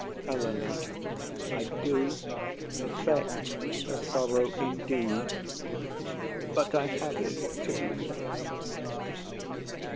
HELENA. I do affect a sorrow indeed, but I have it too.